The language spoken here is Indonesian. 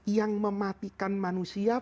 yang mematikan manusia